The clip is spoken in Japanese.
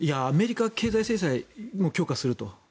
アメリカは経済制裁も強化すると。